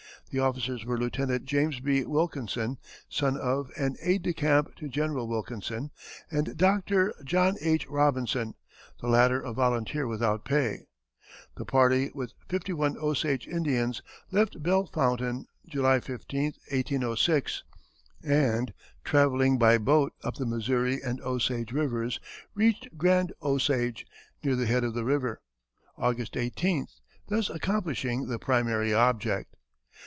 The officers were Lieutenant James B. Wilkinson, son of and aide de camp to General Wilkinson, and Doctor John H. Robinson, the latter a volunteer without pay. The party, with fifty one Osage Indians, left Belle Fontaine, July 15, 1806, and travelling by boat up the Missouri and Osage rivers reached Grand Osage, near the head of the river, August 18th, thus accomplishing the "primary object."